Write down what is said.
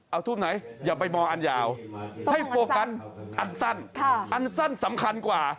เอาทูปไหนอย่าไปมองอันยาวให้โฟกัสอันสั้นอันสั้นสำคัญกว่า